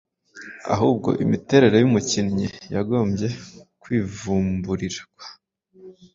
Ahubwo imiterere y’umukinnyi yagombye kwivumburirwa